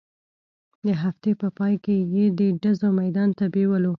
د هفتې په پاى کښې يې د ډزو ميدان ته بېولو.